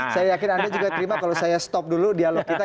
saya yakin anda juga terima kalau saya stop dulu dialog kita